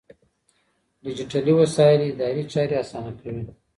ډيجيټلي وسايل اداري چارې آسانه کوي.